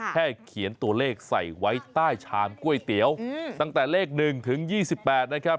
แค่เขียนตัวเลขใส่ไว้ใต้ชามก๋วยเตี๋ยวตั้งแต่เลข๑ถึง๒๘นะครับ